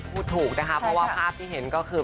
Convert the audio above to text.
พูดถูกนะคะเพราะว่าภาพที่เห็นก็คือ